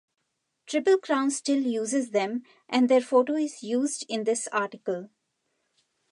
Triple Crown still uses them and their photo is used in this article.